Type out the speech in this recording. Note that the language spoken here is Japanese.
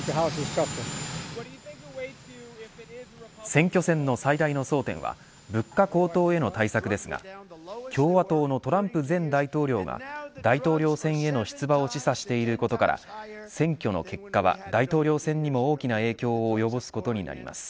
選挙戦の最大の争点は物価高騰への対策ですが共和党のトランプ前大統領が大統領選への出馬を示唆していることから選挙の結果は大統領選にも大きな影響を及ぼすことになります。